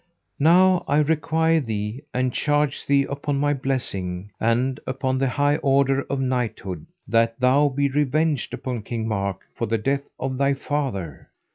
Now I require thee, and charge thee upon my blessing, and upon the high order of knighthood, that thou be revenged upon King Mark for the death of thy father.